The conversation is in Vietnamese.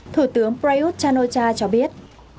thủ tướng prayuth chan o cha cho biết